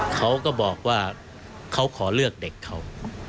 เขาก็บอกว่าเขาขอเลือกเด็กเขา